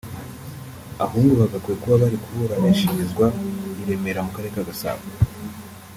ahubwo bagakwiye kuba bari kuburanishirizwa i Remera mu Karere Ka Gasabo